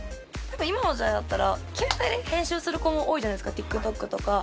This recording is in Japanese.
今の時代だったら携帯で編集する子も多いじゃないですかＴｉｋＴｏｋとか。